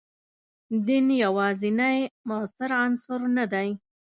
دین یوازینی موثر عنصر نه دی.